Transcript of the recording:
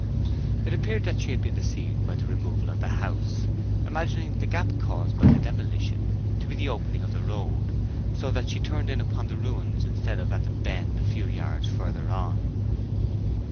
It appeared that she had been deceived by the removal of the house, imagining the gap caused by the demolition to be the opening of the road, so that she turned in upon the ruins instead of at the bend a few yards farther on.